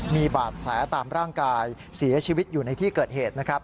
มีบาดแผลตามร่างกายเสียชีวิตอยู่ในที่เกิดเหตุนะครับ